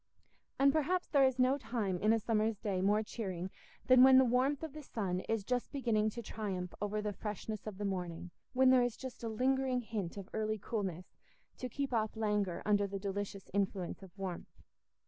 And perhaps there is no time in a summer's day more cheering than when the warmth of the sun is just beginning to triumph over the freshness of the morning—when there is just a lingering hint of early coolness to keep off languor under the delicious influence of warmth.